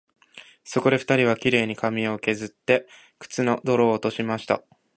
そこで二人は、綺麗に髪をけずって、靴の泥を落としました